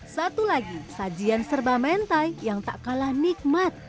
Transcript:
satu lagi sajian serba mentai yang tak kalah nikmat